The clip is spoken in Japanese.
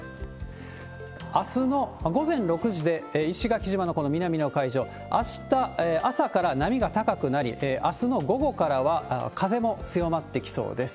あすの午前６時で、石垣島のこの南の海上、あした朝から波が高くなり、あすの午後からは風も強まってきそうです。